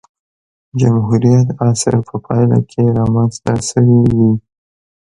جمهوریت عصر په پایله کې رامنځته شوې وې.